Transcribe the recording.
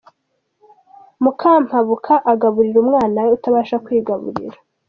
Mukampabuka agaburira umwana we utabasha kwigaburira.